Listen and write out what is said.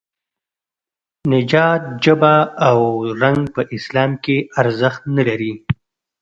نژاد، ژبه او رنګ په اسلام کې ارزښت نه لري.